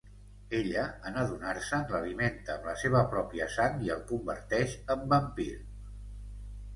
Ella, en adonar-se'n, l'alimenta amb la seva pròpia sang i el converteix en vampir.